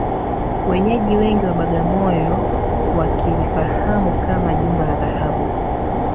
Wenyeji wengi wa Bagamoyo wakilifahamu kama Jumba la Dhahabu